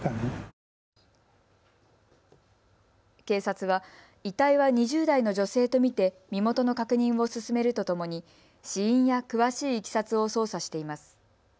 警察は遺体は２０代の女性と見て身元の確認を進めるとともに死因や詳しいいきさつを捜査しています。